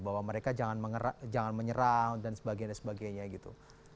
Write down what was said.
bahwa mereka jangan menyerah dan sebagainya sebagainya gitu